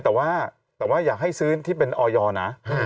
แต่ว่าอยากให้ซื้นที่เป็นออยศ์นะ